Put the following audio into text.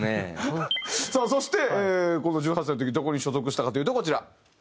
さあそしてこの１８歳の時どこに所属したかというとこちら。